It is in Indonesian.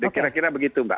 kira kira begitu mbak